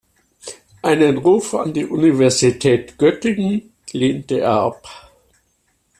Einen Ruf an die Universität Göttingen lehnte er ab.